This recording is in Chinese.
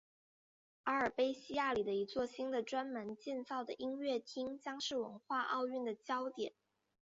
阿尔卑西亚里的一座新的专门建造的音乐厅将是文化奥运的焦点。